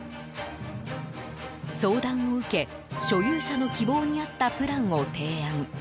相談を受け、所有者の希望に合ったプランを提案。